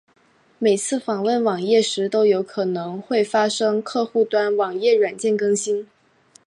每次访问网页时都可能会发生客户端网页软件更新。